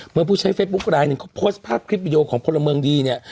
เมื่อผู้ใช้เฟซบุ๊คไลน์หนึ่งเขาโพสต์ภาพคลิปวิดีโอของพลเมืองดีเนี่ย